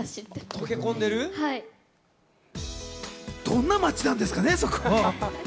どんな街なんですかね？